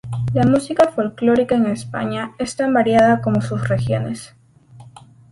La música folclórica en España es tan variada como sus regiones.